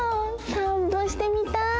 さんぽしてみたい！